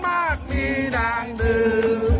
แฮปปี้เบิร์สเจทูยู